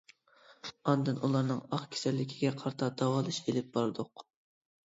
ئاندىن ئۇلارنىڭ ئاق كېسەللىكىگە قارىتا داۋالاش ئېلىپ باردۇق.